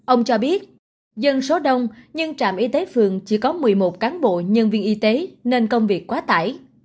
ông cho biết dân số đông nhưng trạm y tế phường chỉ có một mươi một cán bộ nhân viên y tế nên công việc quá tải